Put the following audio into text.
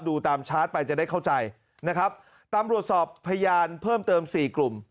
ดูตามชาร์จไปจะได้เข้าใจนะครับตำรวจสอบพยานเพิ่มเติมสี่กลุ่ม